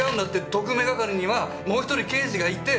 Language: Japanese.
特命係にはもう１人刑事がいて。